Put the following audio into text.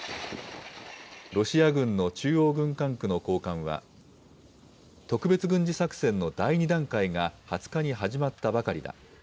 ロシア軍の中央軍管区の高官は、特別軍事作戦の第２段階が２０日に始まったばかりだ。